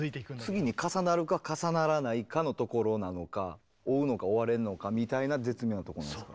次に重なるか重ならないかのところなのか追うのか追われんのかみたいな絶妙なとこなんですね。